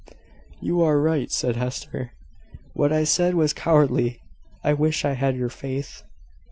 "You are right," said Hester. "What I said was cowardly. I wish I had your faith."